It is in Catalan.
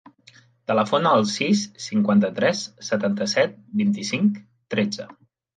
Telefona al sis, cinquanta-tres, setanta-set, vint-i-cinc, tretze.